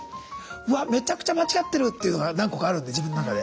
わっめちゃくちゃ間違ってるというのが何個かあるんで自分の中で。